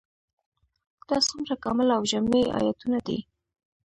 دا څومره کامل او جامع آيتونه دي ؟